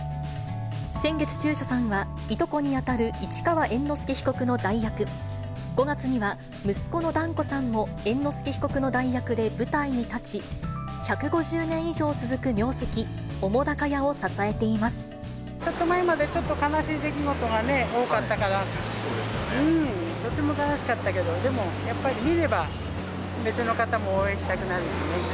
先月、中車さんは、いとこにあたる市川猿之助被告の代役、５月には、息子の團子さんも猿之助被告の代役で舞台に立ち、１５０年以上続ちょっと前まで、ちょっと悲しい出来事がね、多かったから、とても悲しかったけど、でもやっぱり見れば、別の方も応援したくなるしね。